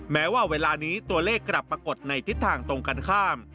แม้ว่าเวลานี้ตัวเลขกลับปรากฏในทิศทางตรงกันข้าม